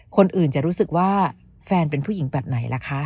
คนอื่นจะรู้สึกว่าแฟนเป็นผู้หญิงแบบไหนล่ะคะ